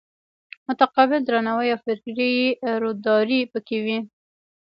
متقابل درناوی او فکري روداري پکې وي.